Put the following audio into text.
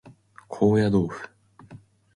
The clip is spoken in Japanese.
高野豆腐